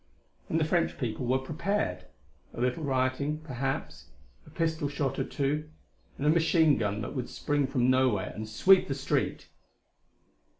And the French people were prepared. A little rioting, perhaps; a pistol shot or two, and a machine gun that would spring from nowhere and sweep the street